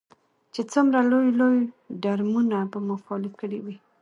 چې څومره لوی لوی ډرمونه به مو خالي کړي وي.